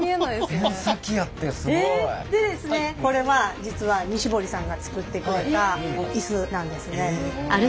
これは実は西堀さんが作ってくれたイスなんですね。